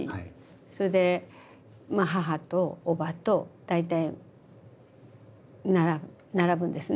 それで母とおばと大体並ぶんですね